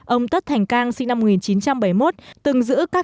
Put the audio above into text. ông tất thành cang sinh năm một nghìn chín trăm bảy mươi một